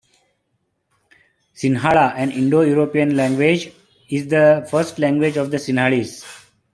Sinhala, an Indo-European language, is the first language of the Sinhalese.